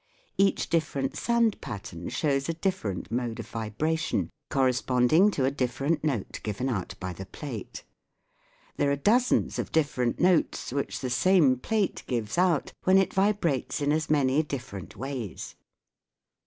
Each different sand pattern shows a different mode of vibration, corresponding to a different note given out by the plate. There are dozens of different notes which the same plate gives out when it vibrates in as many different ways.